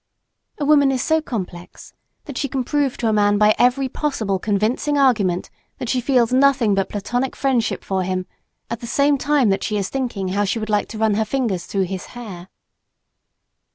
A woman is so complex that she can prove to a man by every possible convincing argument that she feels nothing but platonic friendship for him, at the same time that she is thinking how she would like to run her fingers through his hair.